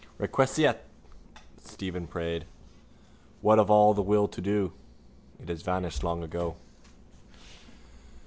—Requiescat! Stephen prayed. What of all the will to do? It has vanished long ago...